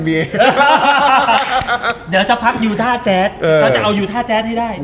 เดี๋ยวสักพักยูท่าแจ๊ดเขาจะเอาอยู่ท่าแจ๊ดให้ได้